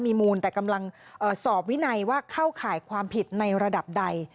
มีมูลแต่กำลังสอบวินัยว่าเข้าข่ายความผิดในระดับใด